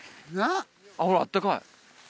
ほらあったかい。